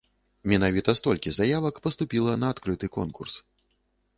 Менавіта столькі заявак паступіла на адкрыты конкурс.